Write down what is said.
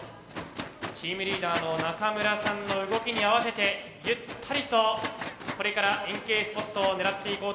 チームリーダーの中村さんの動きに合わせてゆったりとこれから円形スポットを狙っていこうとしているところでしょうか。